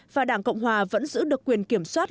và đảng cộng hòa vẫn giữ được quyền kiểm soát